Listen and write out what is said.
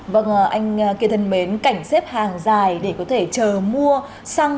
vâng anh cái thân mến cảnh xếp hàng dài để có thể chờ mua xăng